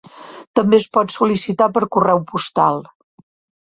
També es pot sol·licitar per correu postal.